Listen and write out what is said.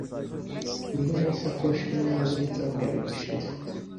Iyi ni isakoshi imwe nabuze icyumweru gishize .